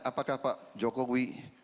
apakah pak jokowi